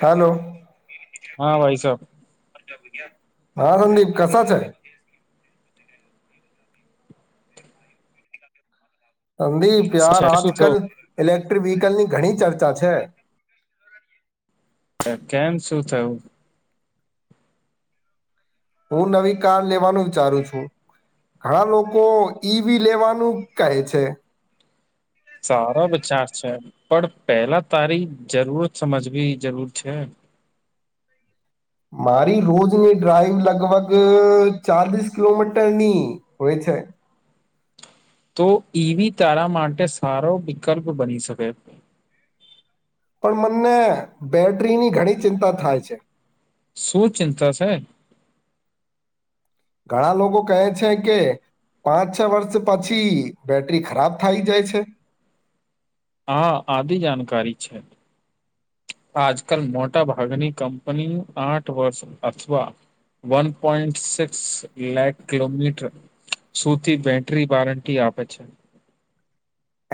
હાલો, હા ભાઈ સાબ, હા સંદીપ કસા છે. સંદીપ યાર આજ શું કલ થયું ઇલેક્ટ્રિક વ્હીકલ ની ઘણી ચર્ચા છે. પણ કેમ શું થયું. હું નવી કાર લેવાનુ વિચારુ છુ. ઘણા લોકો ઈભી લેવાનું કહે છે. સારો વિચાર છે, પણ પેલા તારી જરૂરત સમજવી જરૂર છે. મારી રોજની ડ્રાઈવ લગભગ ચાલીસ કિલોમીટર ની, હોય છે. તો ઈવી તારા માટે સારો વિકલ્પ બની શકે. પણ મને બેટરીની ઘણી ચિંતા થાય છે. શું ચિંતા છે. ઘણા લોકો કહે છે કે, પાંચ છ વર્ષ પછી બેટરી ખરાબ થાય જાય છે. હા આદિ જાણકારી છે. આજકાલ મોટા ભાગની કંપની આઠ વર્ષ અથવા, one point six like kilometre, સુથી બેટરી વારંટી આપે છે.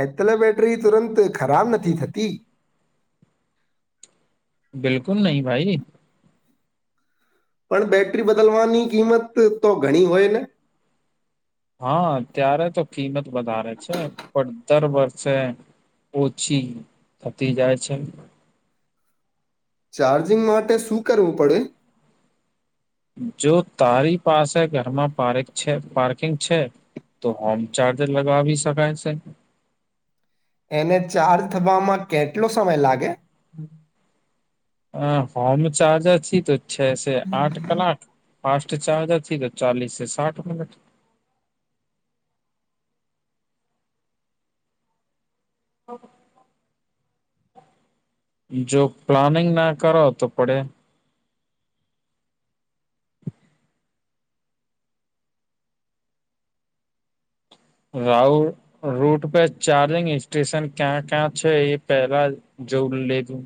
એટલે બેટરી તુરંત ખરાબ નથી થતી. બિલકુલ નહી ભાઈ. પણ બેટરી બદલવાની કિંમત તો ઘણી હોય ને, હા ત્યારે તો કિંમત વધારે છે, પણ દર વર્ષે ઓછી થતી જાય છે. ચાર્જિંગ માટે શું કરવું પડે? જો તારી પાસે ઘરમાં પારેક છે પાર્કિંગ છે તો હોમ ચાર્જર લગાવી શકાશે. એને ચાર્જ થવામાં કેટલો સમય લાગે? હા હોમ ચારજર છી તો છે સે આઠ કલાક ફાસ્ટ ચાર્જરથી તો ચાલીસ સાઠ મિનીટ જો પ્લાનિંગ ના કરો તો પડે રાઉ રૂટ પરે ચાર્જિંગ સ્ટેશન ક્યાં ક્યાં છે એ પેલા જવું લેજું